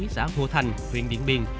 xã hồ thành huyện điện biên